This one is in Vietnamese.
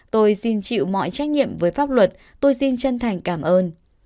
tôi xin chịu mọi trách nhiệm với pháp luật tôi xin chân thành cảm ơn